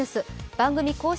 番組公式